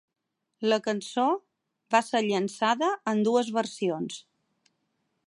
La cançó va ser llançada en dues versions.